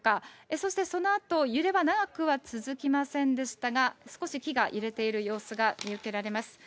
そしてそのあと揺れは長くは続きませんでしたが、少し木が揺れている様子が見受けられます。